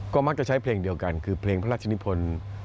ก็มักจะใช้เพลงเดียวกันคือเพลงพระราชนิพล